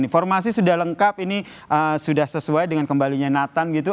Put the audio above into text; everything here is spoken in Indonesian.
informasi sudah lengkap ini sudah sesuai dengan kembalinya nathan gitu